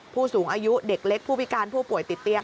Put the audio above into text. ผู้สูงอายุเด็กเล็กผู้พิการผู้ป่วยติดเตียง